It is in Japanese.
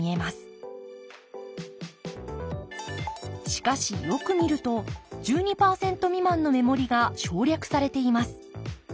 しかしよく見ると１２％未満の目盛りが省略されています。